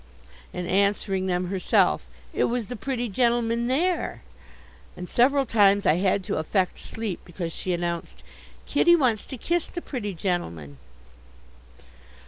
and answering them herself, "It was the pretty gentleman there," and several times I had to affect sleep because she announced, "Kiddy wants to kiss the pretty gentleman."